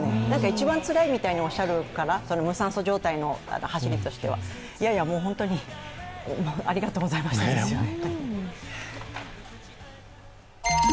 一番つらいみたいにおっしゃるから、無酸素状態の走りとしては。いやいやもう本当に、ありがとうございましたですよね。